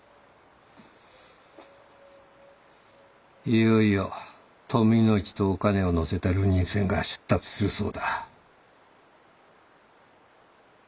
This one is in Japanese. いよいよ富の市とおかねを乗せた流人船が出立するそうだ。